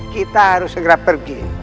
kita harus segera pergi